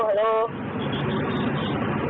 แม่ได้ยินไหม